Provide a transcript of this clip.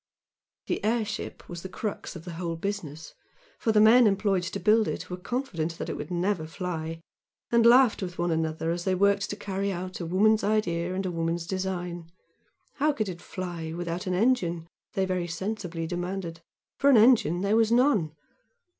This airship was the crux of the whole business, for the men employed to build it were confident that it would never fly, and laughed with one another as they worked to carry out a woman's idea and a woman's design. How could it fly without an engine? they very sensibly demanded, for engine there was none!